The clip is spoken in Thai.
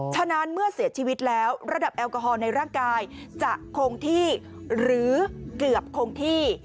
ฉะนั้นเมื่อเสียชีวิตแล้วระดับแอลกอฮอลในร่างกายจะคงที่หรือเกือบคงที่